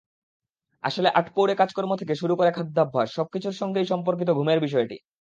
আসলে আটপৌরে কাজকর্ম থেকে শুরু করে খাদ্যাভ্যাস—সবকিছুর সঙ্গেই সম্পর্কিত ঘুমের বিষয়টি।